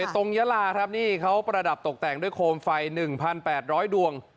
ตรงยาลาครับนี่เขาประดับตกแต่งด้วยโคมไฟ๑๘๐๐ดวง